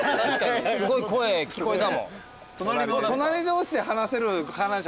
すごい声聞こえたもん。